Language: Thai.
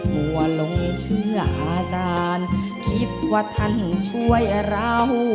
หัวหลงเชื่ออาจารย์คิดว่าท่านช่วยเรา